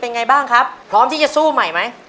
ไงบ้างครับพร้อมที่จะสู้ใหม่ไหม